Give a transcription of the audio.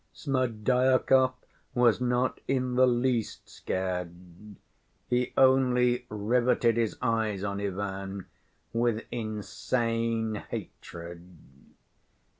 Smerdyakov was not in the least scared. He only riveted his eyes on Ivan with insane hatred.